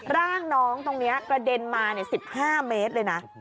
ร่างน้องตรงนี้กระเด็นมา๑๕เมตรเลยนะ